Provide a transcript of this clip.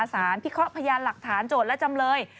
พิเคราะห์พยานหลักฐานโจทย์และจำเลย